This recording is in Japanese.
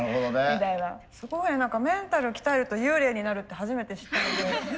すごいメンタル鍛えると幽霊になるって初めて知ったので。